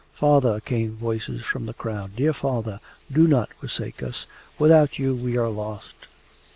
'Father!' came voices from the crowd. 'Dear Father! Do not forsake us. Without you we are lost!